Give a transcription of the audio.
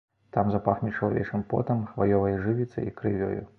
Там запахне чалавечым потам, хваёвай жывіцай і крывёю.